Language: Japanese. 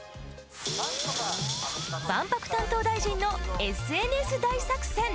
万博担当大臣のＳＮＳ大作戦。